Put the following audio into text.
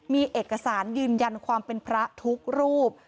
มีเอกสารยืนยันความเป็นพระทุกรูป